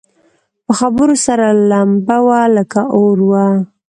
په خبرو سره لمبه وه لکه اور وه